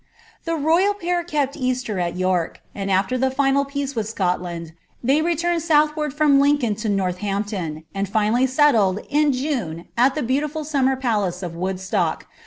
The n>yal pair kept Easter at Tork, and aAer the final pnce witfi Scutlontl they ratamcd southward rroni Lincoln to Northampton, wnl Itnolly settled, in June, at the heaulifnl suniitter palace of Woodftock.